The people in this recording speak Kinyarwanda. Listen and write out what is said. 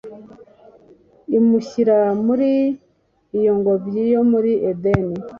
imushyira muri iyo ngobyi yo muri edeni